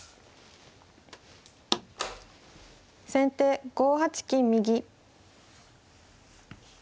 先手５八金右。